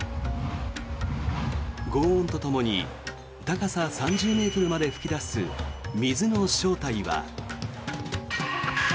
ごう音とともに高さ３０ｍまで噴き出す水の正体は。